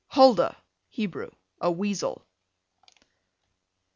Huldah, Hebrew, a weasel.